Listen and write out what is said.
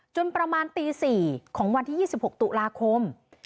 ประมาณตี๔ของวันที่๒๖ตุลาคม